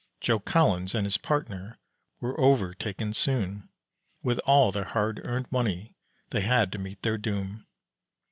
Joe Collins and his partner were overtaken soon, With all their hard earned money they had to meet their doom.